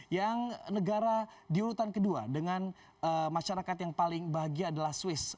yang negara di urutan kedua dengan masyarakat yang paling bahagia adalah swiss